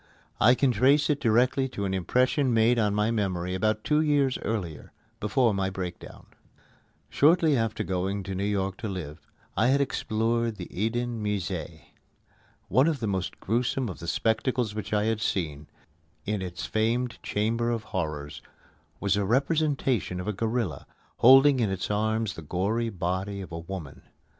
I can trace it directly to an impression made on my memory about two years earlier, before my breakdown. Shortly after going to New York to live, I had explored the Eden Musée. One of the most gruesome of the spectacles which I had seen in its famed Chamber of Horrors was a representation of a gorilla, holding in its arms the gory body of a woman.